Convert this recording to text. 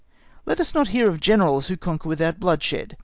Let us not hear of Generals who conquer without bloodshed.